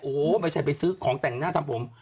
โอ้โหไม่ใช่ไปซื้อของแต่งหน้าทำผม